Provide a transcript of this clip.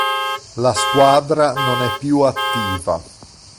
La squadra non è più attiva.